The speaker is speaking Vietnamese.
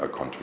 và có cơ hội